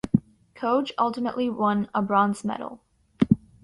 Coage ultimately won a bronze medal.